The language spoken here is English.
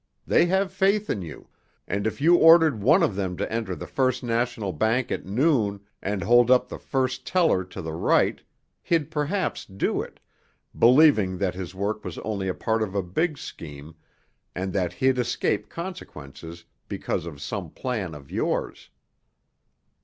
They have faith in you; and if you ordered one of them to enter the First National Bank at noon and hold up the first teller to the right, he'd perhaps do it, believing that his work was only a part of a big scheme and that he'd escape consequences because of some plan of yours."